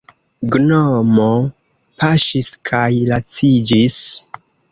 Gnomo paŝis kaj laciĝis.